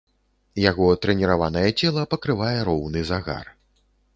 Яго трэніраванае цела пакрывае роўны загар.